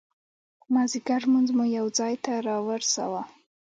مازدیګر لمونځ مو یو ځای ته را ورساوه.